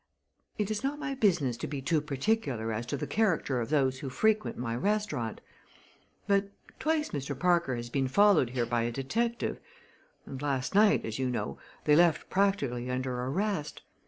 It is not my business to be too particular as to the character of those who frequent my restaurant; but twice Mr. Parker has been followed here by a detective, and last night, as you know, they left practically under arrest.